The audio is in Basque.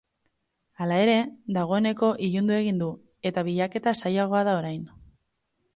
Hala ere, dagoeneko ilundu egin du eta bilaketa zailagoa da orain.